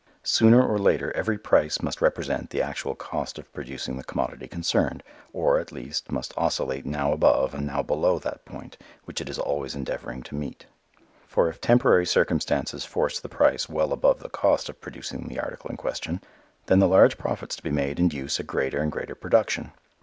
Sooner or later every price must represent the actual cost of producing the commodity concerned, or, at least, must oscillate now above and now below that point which it is always endeavoring to meet. For if temporary circumstances force the price well above the cost of producing the article in question, then the large profits to be made induce a greater and greater production.